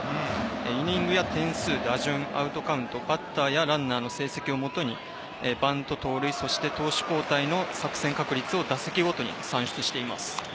イニングや点数、打順、アウトカウント、バッターやランナーの成績をもとにバント、盗塁、そして投手交代の作戦確率を打席ごとに算出しています。